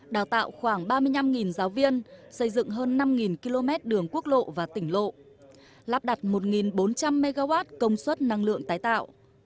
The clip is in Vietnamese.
đào tạo khoảng ba mươi năm giáo viên xây dựng hơn năm km đường quốc lộ và tỉnh lộ lắp đặt một bốn trăm linh mw công suất năng lượng tái tạo